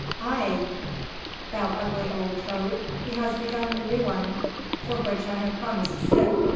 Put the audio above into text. "Aye! thou ugly old toad. He has begun a new one, for which I have promised to sit.